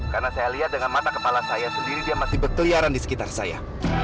karena saya lihat dengan mata kepala saya sendiri dia masih berkeliaran di sekitar saya